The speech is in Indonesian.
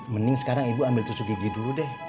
mending sekarang ibu ambil cucu gigi dulu deh